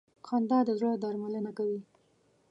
خندا د زړه درملنه کوي.